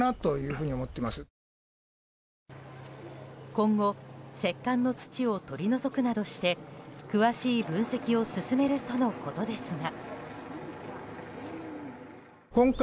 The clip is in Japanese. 今後、石棺の土を取り除くなどして詳しい分析を進めるとのことですが。